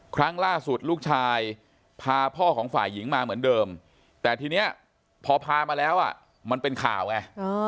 ครั้งล่าสุดลูกชายพาพ่อของฝ่ายหญิงมาเหมือนเดิมแต่ทีนี้พอพามาแล้วมันเป็นข่าวไง